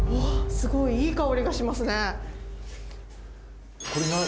すごいいい香りがしますね。